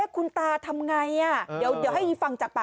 คุณกรัยบุนเรืองอายุ๖๗